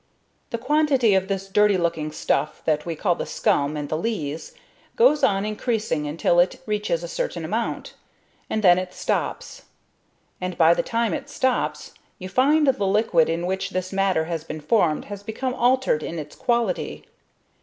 The quantity of this dirty looking stuff, that we call the scum and the lees, goes on increasing until it reaches a certain amount, and then it stops; and by the time it stops, you find the liquid in which this matter has been formed has become altered in its quality.